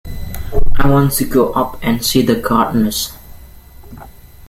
I want to go up and see the Gardners.